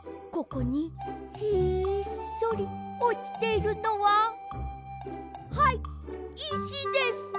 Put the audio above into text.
ここにひっそりおちているのははいいしです！